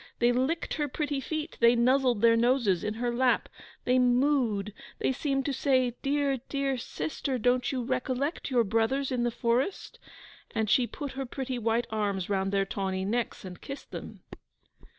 They licked her pretty feet, they nuzzled their noses in her lap, they moo'd, they seemed to say, 'Dear, dear sister don't you recollect your brothers in the forest?' And she put her pretty white arms round their tawny necks, and kissed them.